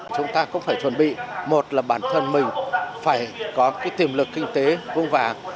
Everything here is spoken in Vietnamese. chúng ta cũng phải chuẩn bị một là bản thân mình phải có tiềm lực kinh tế vững vàng